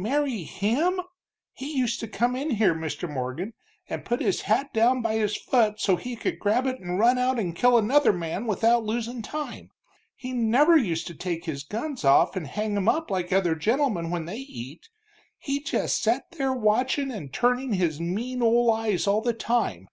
Marry him! He used to come in here, Mr. Morgan, and put his hat down by his foot so he could grab it and run out and kill another man without losin' time. He never used to take his guns off and hang 'em up like other gentlemen when they eat. He just set there watchin' and turnin' his mean old eyes all the time.